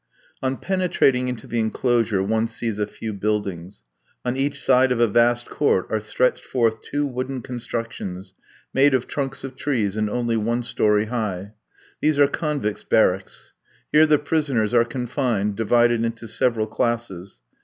On penetrating into the enclosure one sees a few buildings. On each side of a vast court are stretched forth two wooden constructions, made of trunks of trees, and only one storey high. These are convicts' barracks. Here the prisoners are confined, divided into several classes.